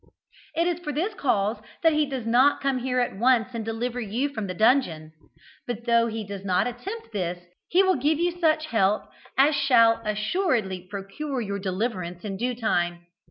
It is for this cause that he does not come here at once and deliver you from the dungeon; but, though he does not attempt this, he will give you such help as shall assuredly procure your deliverance in due time.